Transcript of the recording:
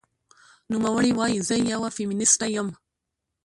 نوموړې وايي، "زه یوه فېمینیسټه یم